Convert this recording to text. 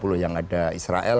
u dua puluh yang ada israel